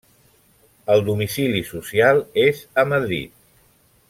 El domicili social és a Madrid.